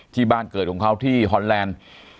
ที่บ้านเกิดของเขาที่ฮอนแลนด์